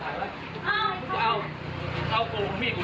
เอาไปทำเขาทำไมเนี่ย